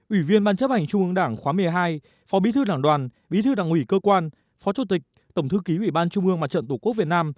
ủy viên ban chấp hành trung ương đảng khóa một mươi hai phó bí thư đảng đoàn bí thư đảng ủy cơ quan phó chủ tịch tổng thư ký ủy ban trung ương mặt trận tổ quốc việt nam